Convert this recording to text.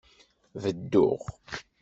Bedduɣ.